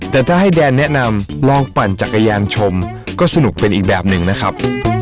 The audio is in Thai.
แต่ถ้าให้แดนแนะนำลองปั่นจักรยานชมก็สนุกเป็นอีกแบบหนึ่งนะครับ